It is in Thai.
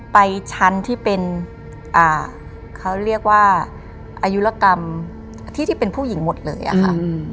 ไปชั้นที่เป็นเขาเรียกว่าอายุรกรรมที่ที่เป็นผู้หญิงหมดเลยอะค่ะ